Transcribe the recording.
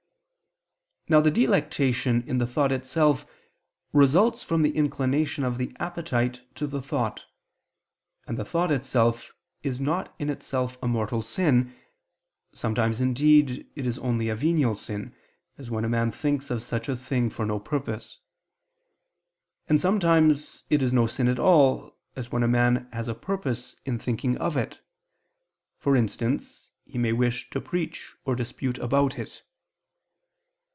Now the delectation in the thought itself results from the inclination of the appetite to the thought; and the thought itself is not in itself a mortal sin; sometimes indeed it is only a venial sin, as when a man thinks of such a thing for no purpose; and sometimes it is no sin at all, as when a man has a purpose in thinking of it; for instance, he may wish to preach or dispute about it.